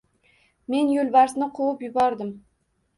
Men Yo‘lbarsni quvib yubordim